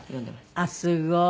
あっすごい。